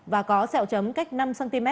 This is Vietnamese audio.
và có xẹo chấm cách năm cm